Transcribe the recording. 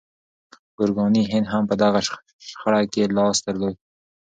ګورګاني هند هم په دغه شخړه کې لاس درلود.